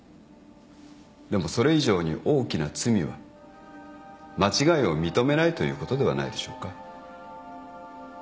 でもそれ以上に大きな罪は間違いを認めないということではないでしょうか。